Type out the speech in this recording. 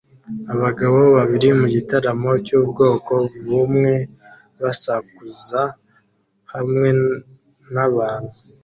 Abagabo babiri mugitaramo cyubwoko bumwe basakuza hamwe nabantu